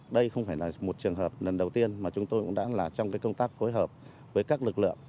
đây không phải là một trường hợp lần đầu tiên mà chúng tôi cũng đã là trong công tác phối hợp với các lực lượng